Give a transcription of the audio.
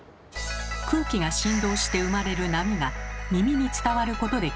空気が振動して生まれる「波」が耳に伝わることで聞こえています。